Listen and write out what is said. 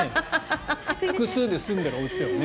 複数で住んでるおうちでもね。